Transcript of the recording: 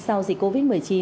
sau dịch covid một mươi chín